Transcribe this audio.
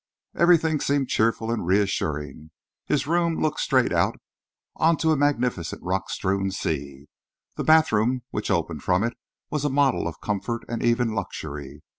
Everything seemed cheerful and reassuring. His room looked straight out on to a magnificent, rock strewn sea. The bathroom which opened from it was a model of comfort and even luxury.